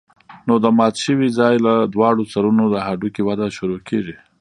نو د مات شوي ځاى له دواړو سرونو د هډوکي وده شروع کېږي.